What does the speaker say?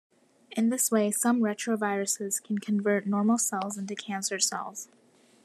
In this way some retroviruses can convert normal cells into cancer cells.